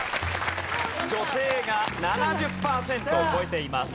女性が７０パーセントを超えています。